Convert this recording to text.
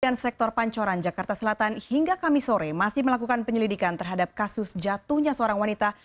dan sektor pancoran jakarta selatan hingga kamis sore masih melakukan penyelidikan terhadap kasus jatuhnya seorang wanita